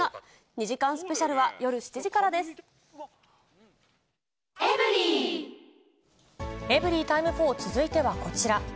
２時間スペシャルは夜７時からでエブリィタイム４、続いてはこちら。